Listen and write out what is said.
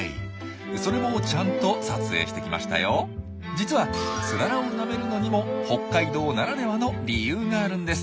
実はツララをなめるのにも北海道ならではの理由があるんです。